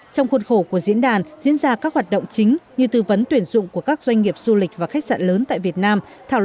trong khuôn khổ của diễn đàn diễn ra các hoạt động chính như tư vấn tuyển dụng của các doanh nghiệp du lịch và khách sạn lớn tại việt nam